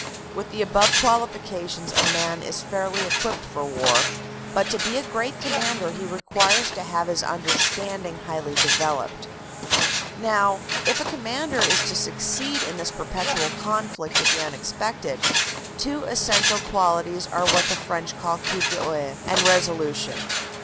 With the above qualifications a man is fairly equipped for war, but to be a great commander he requires to have his understanding highly developed. Now, if a commander is to succeed in this perpetual conflict with the unexpected, two essential qualities are what the French call coup d oeil and resolution.